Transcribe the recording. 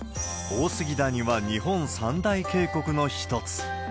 大杉谷は日本三大渓谷の一つ。